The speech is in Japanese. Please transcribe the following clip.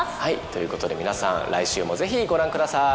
ということで皆さん来週もぜひご覧ください。